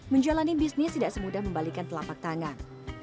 menjalani bisnis tidak semudah membalikan telapak tangan